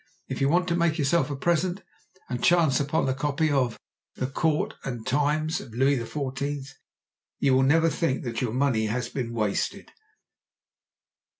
If you want to make yourself a present, and chance upon a copy of "The Court and Times of Louis XIV.," you will never think that your money has been wasted.